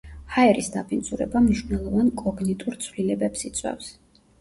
ჰაერის დაბინძურება მნიშვნელოვან კოგნიტურ ცვლილებებს იწვევს.